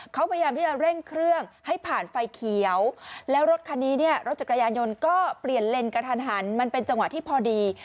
เขาพยายามที่จะเร่งเครื่องให้ผ่านไฟเขียวแล้วรถคันนี้เนี่ยรถจักรยานยนต์ก็เปลี่ยนเลนกระทันหันมันเป็นจังหวะที่พอดี